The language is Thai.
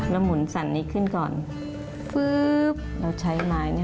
เราหมุนสันนี้ขึ้นก่อนฟื้อแล้วก็ขัดสารกันของเส้นได้สองกลุ่ม